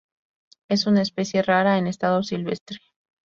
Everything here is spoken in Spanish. Es una especie rara en estado silvestre.